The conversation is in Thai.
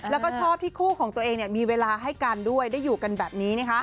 แล้วก็ชอบที่คู่ของตัวเองมีเวลาให้กันด้วยได้อยู่กันแบบนี้